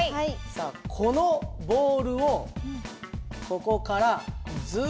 さあこのボールをここからずっと高く。